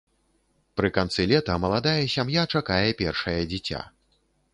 Пры канцы лета маладая сям'я чакае першае дзіця.